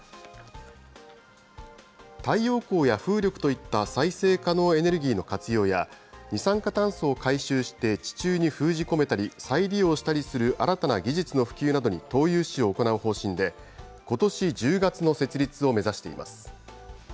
太陽光や風力といった再生可能エネルギーの活用や、二酸化炭素を回収して地中に封じ込めたり、再利用したりする新たな技術の普及などに投融資を行う方針で、ことし１０月の設立を目指しています。